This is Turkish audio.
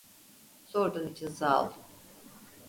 Sorduğun için sağol.